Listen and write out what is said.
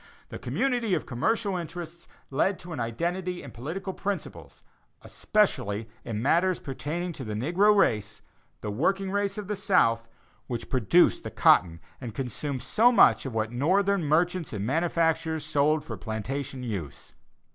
This community of commercial interests led to an identity in political principles especially in matters pertaining to the negro race the working race of the South which produced the cotton and consumed so much of what Northern merchants and manufacturers sold for plantation use.